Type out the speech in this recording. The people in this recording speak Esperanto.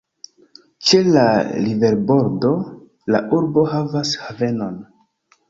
Ĉe la riverbordo la urbo havas havenon.